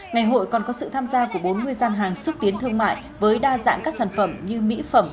ngày hội còn có sự tham gia của bốn mươi gian hàng xúc tiến thương mại với đa dạng các sản phẩm như mỹ phẩm